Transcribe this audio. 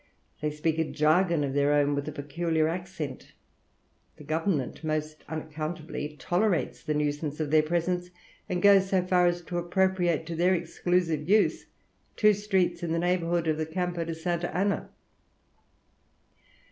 They speak a jargon of their own with a peculiar accent. The government most unaccountably tolerates the nuisance of their presence, and goes so far as to appropriate to their exclusive use two streets in the neighbourhood of the Campo de Santa Anna."